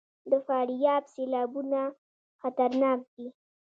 د فاریاب سیلابونه خطرناک دي